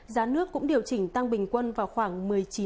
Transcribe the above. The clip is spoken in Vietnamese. giá nước cũng điều chỉnh tăng bình quân vào khoảng một mươi chín